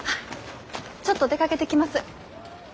ちょっと出かけてきます。